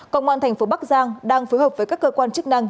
công an thành phố bắc giang đang phối hợp với các cơ quan chức năng